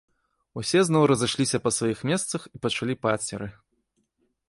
Усе зноў разышліся па сваіх месцах і пачалі пацеры.